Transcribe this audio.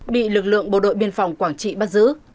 bị lực lượng bộ đội biên phòng quảng trị bắt giữ